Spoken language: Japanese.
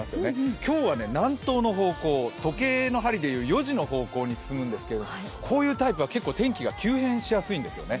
今日は南東の方向、時計の針でいう４時の方向に進むんですがこういうタイプは天気が急変しやすいんですよね。